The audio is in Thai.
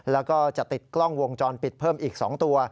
แล้วก็จะติดกล้องวงจรปิดเพิ่มอีก๒ตัว